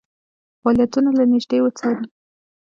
فعالیتونه له نیژدې وڅاري.